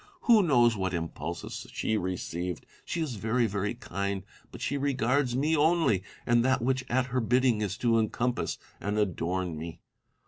Who knows what impulses she received 1 She is very, very kind : but she regards me only, and that which at her bidding is to encompass and adorn me.